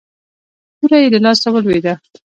توره يې له لاسه ولوېده.